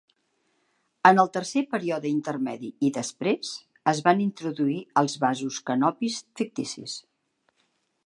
En el Tercer Període Intermedi i després, es van introduir els vasos canopis ficticis.